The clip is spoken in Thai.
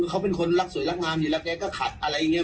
ถ้าอาการดีขึ้นเนี่ย